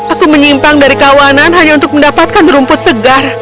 aku menyimpang dari kawanan hanya untuk mendapatkan rumput segar